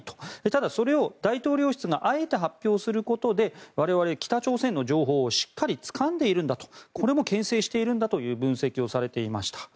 ただ、それを大統領室があえて発表することで我々、北朝鮮の情報をしっかりつかんでいるんだとこれもけん制しているんだという分析をされていました。